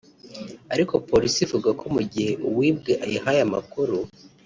ariko polisi ivuga ko mu gihe uwibwe ayihaye amakuru